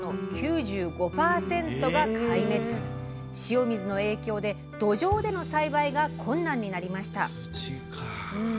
塩水の影響で土壌での栽培が困難になりました